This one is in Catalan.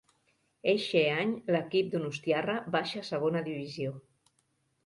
Eixe any l'equip donostiarra baixa a Segona Divisió.